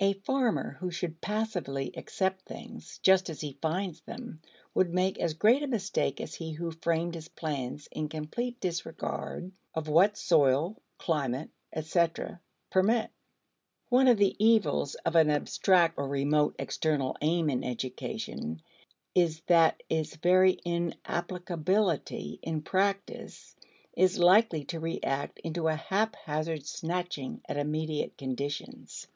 A farmer who should passively accept things just as he finds them would make as great a mistake as he who framed his plans in complete disregard of what soil, climate, etc., permit. One of the evils of an abstract or remote external aim in education is that its very inapplicability in practice is likely to react into a haphazard snatching at immediate conditions.